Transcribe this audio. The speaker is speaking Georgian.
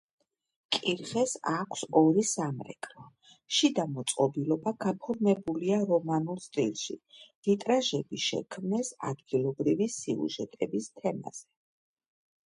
კირხეს აქვს ორი სამრეკლო, შიდა მოწყობილობა გაფორმებულია რომანულ სტილში, ვიტრაჟები შექმნეს ადგილობრივი სიუჟეტების თემაზე.